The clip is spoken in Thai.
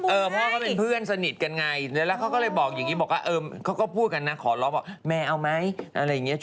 เอาเป็นว่ายัดทั้งสองคนใส่เข้าไปเลย